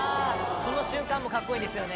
この瞬間もカッコいいんですよね。